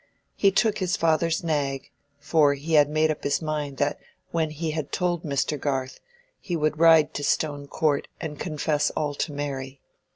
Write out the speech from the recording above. He took his father's nag, for he had made up his mind that when he had told Mr. Garth, he would ride to Stone Court and confess all to Mary.